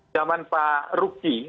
zaman pak ruki